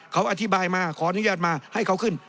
เขาอธิบายมาขออนุญาตมาให้เขาขึ้น